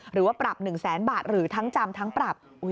หรือว่าปรับ๑แสนบาทหรือทั้งจำทั้งปรับ